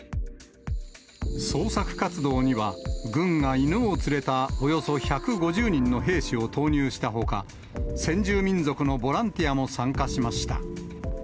捜索活動には、軍が犬を連れたおよそ１５０人の兵士を投入したほか、先住民族のボランティアも参加しました。